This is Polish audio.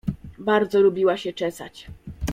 Bardzo lubiła się czesać.